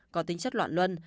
có tính chất loạn luân